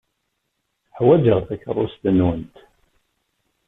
Ḥwajeɣ takeṛṛust-nwent.